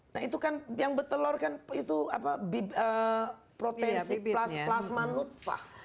nah itu kan yang bertelur kan itu potensi plas plasma nutfah